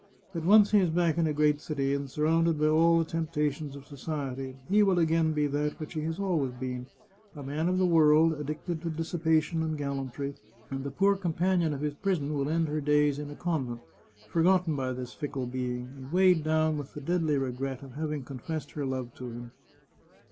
But once he is back in a great city, and surrounded by all the temptations of society, he will again be that which he has always been — a man of the world, addicted to dissipa tion and gallantry; and the poor companion of his prison will end her days in a convent, forgotten by this fickle being, and weighed down with the deadly regret of having con fessed her love to him."